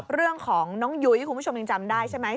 เรื่องของน้องยุ้ยคุณผู้ชมยังจำได้ใช่ไหม